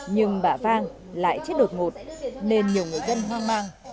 nhưng bà vang lại chết đột ngột nên nhiều người dân hoang mang